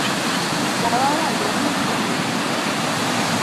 Dawa owacho ni obiro neni kiny.